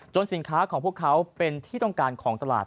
สินค้าของพวกเขาเป็นที่ต้องการของตลาด